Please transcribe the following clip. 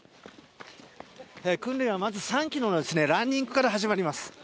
訓練はまず３ｋｍのランニングから始まります。